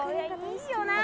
いいよな。